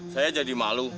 saya jadi malu